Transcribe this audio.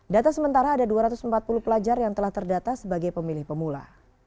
data sementara ada dua ratus empat puluh pelajar yang telah terdata sebagai pemilih pemula